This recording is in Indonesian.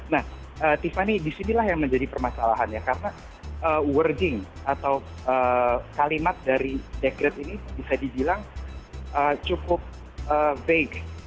nah tiffany disinilah yang menjadi permasalahannya karena worging atau kalimat dari dekret ini bisa dibilang cukup fake